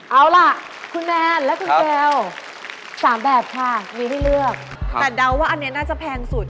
เอาล่ะคุณแมนและคุณเกล๓แบบค่ะวีได้เลือกแต่เดาว่าอันนี้น่าจะแพงสุด